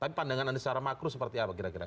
tapi pandangan anda secara makro seperti apa kira kira